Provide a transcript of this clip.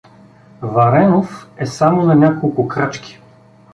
Варенов е само на няколко крачки.